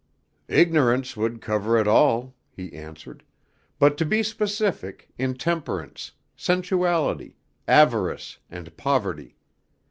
"Ignorance would cover it all," he answered, "but to be specific, intemperance, sensuality, avarice, and poverty.